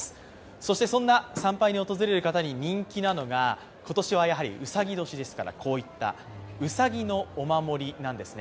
そして、そんな参拝に訪れる方に人気なのが今年はやはりうさぎ年ですからうさぎの御守なんですね。